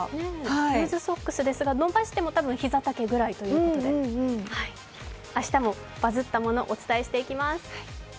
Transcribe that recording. ルーズソックスですが、伸ばしてもひざ丈ぐらいということで明日もバズったもの、お伝えしていきます。